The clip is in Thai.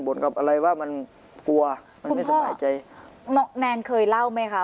กับอะไรว่ามันกลัวมันไม่สบายใจแนนเคยเล่าไหมคะ